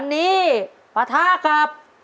จิตตะสังวโรครับ